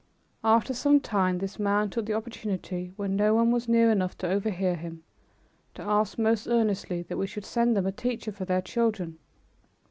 After some time, this man took the opportunity, when no one was near enough to overhear him, to ask most earnestly that we should send them a teacher for their children.